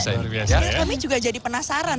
jadi kami juga jadi penasaran